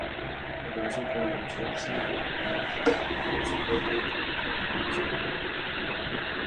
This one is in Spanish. Lo conocen como el "Chelsea de Vietnam" por su fuerte capital financiero.